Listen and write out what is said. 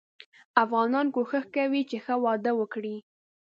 افغانان کوښښ کوي چې ښه واده وګړي.